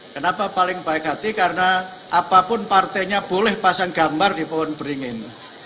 kenapa paling baik hati karena apapun partainya boleh pasang gambar di pohon beringin